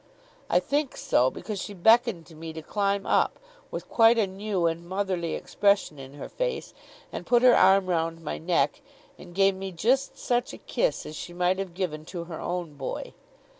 I think so, because she beckoned to me to climb up, with quite a new and motherly expression in her face, and put her arm round my neck, and gave me just such a kiss as she might have given to her own boy.